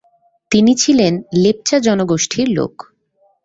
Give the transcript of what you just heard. তিনি ছিলেন লেপচা জনগোষ্ঠীর লোক।